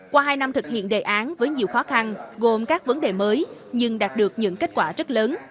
qua hai năm thực hiện đề án với nhiều khó khăn gồm các vấn đề mới nhưng đạt được những kết quả rất lớn